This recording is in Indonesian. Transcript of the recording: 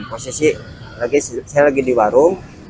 posisi saya lagi di warung